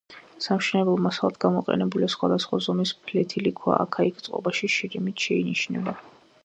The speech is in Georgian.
სამშენებლო მასალად გამოყენებულია სხვადასხვა ზომის ფლეთილი ქვა, აქა-იქ წყობაში შირიმიც შეინიშნება.